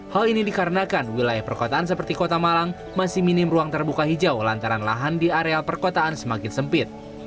hal ini dikarenakan wilayah perkotaan seperti kota malang masih minim ruang terbuka hijau lantaran lahan di areal perkotaan semakin sempit